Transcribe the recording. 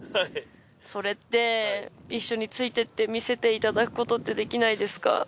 それって一緒について行って見せていただくことってできないですか？